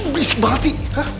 itu berisik banget sih